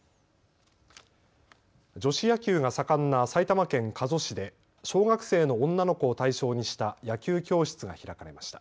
女子野球が盛んな埼玉県加須市で小学生の女の子を対象にした野球教室が開かれました。